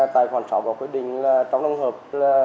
tại khoản sáu của quyết định trong đồng hợp